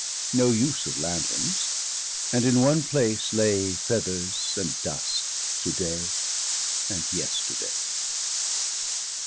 No use of lanthornes; and in one place lay Feathers and dust, to day and yesterday.